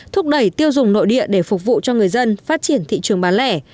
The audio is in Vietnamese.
thúc đẩy tiêu dùng nội địa để phục vụ cho người dân phát triển thị trường bán lẻ